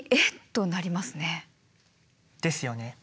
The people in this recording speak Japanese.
ですよね。